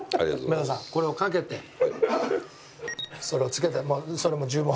梅沢さんこれをかけてそれをつけてそれも十分。